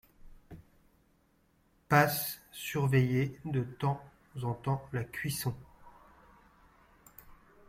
Passe surveiller de temps en temps la cuisson.